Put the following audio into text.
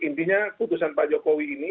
intinya putusan pak jokowi ini